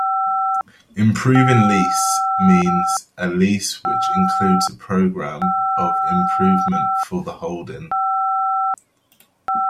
"Improving lease" means a lease which includes a programme of improvement for the holding.